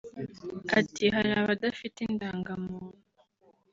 Ati “Hari abadafite indagamuntu